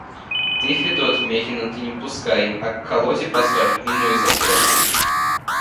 Ты, Федот, мерина-то не пускай, а к колоде поставь, иную запряжем.